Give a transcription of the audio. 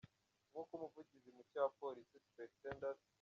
Nkuko umuvugizi mushya wa polisi Supt.